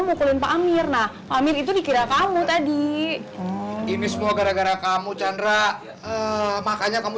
mukulin pak amir nah amir itu dikira kamu tadi ini semua gara gara kamu chandra makanya kamu